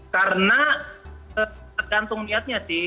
karena tergantung niatnya sih